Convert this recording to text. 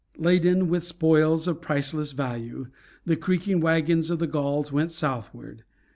Laden with spoils of priceless value, the creaking wagons of the Gauls went southward.